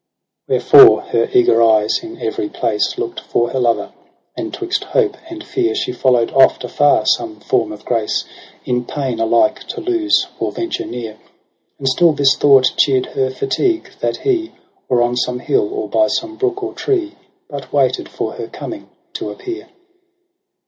OCTOBER ly^ 3 Wherefore her eager eyes in every place Lookt for her lover j and 'twixt hope and fear She followed oft afar some form of grace. In pain aUke to lose or venture near. And still this thought cheer'd her fatigue, that he. Or on some hill, or by some brook or tree. But waited for her coming to appear.